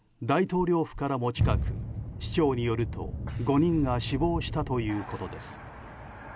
大統領府からも近く市長によると５人が死亡したということです。